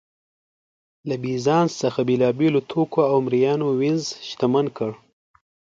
له بېزانس څخه بېلابېلو توکو او مریانو وینز شتمن کړ